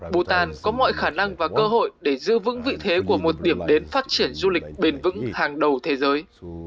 bhutan có mọi khả năng và cơ hội để giữ vững vị thế của một điểm đến phát triển du lịch bền vững hàng đầu thế giới